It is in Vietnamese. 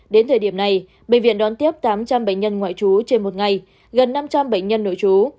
đến thời điểm này bệnh viện đón tiếp tám trăm linh bệnh nhân ngoại trú trên một ngày gần năm trăm linh bệnh nhân nội trú